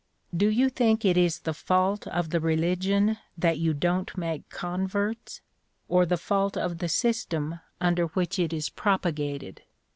"Do you think it is the fault of the religion that you don't make converts, or the fault of the system under which it is propagated?